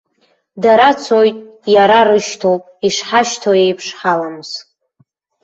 Дара цоит, иара рышьҭоуп, ишҳашьҭоу еиԥш ҳаламыс.